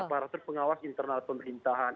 aparatur pengawas internal pemerintahan